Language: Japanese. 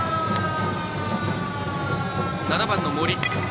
７番の森。